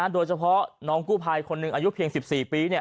โดยเฉพาะน้องกู้ภัยคนหนึ่งอายุเพียง๑๔ปี